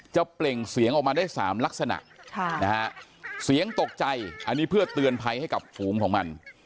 เปล่งเสียงออกมาได้๓ลักษณะเสียงตกใจอันนี้เพื่อเตือนภัยให้กับฝูงของมัน